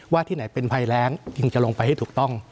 ที่ไหนเป็นภัยแรงจึงจะลงไปให้ถูกต้อง